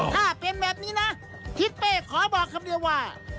ถ้าเป็นแบบนี้นะทิศเป้ขอบอกคำเดียวว่า